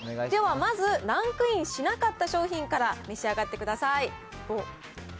ではまず、ランクインしなかった商品から召し上がってください。